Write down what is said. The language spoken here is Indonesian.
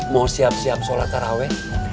mau siap siap sholat taraweh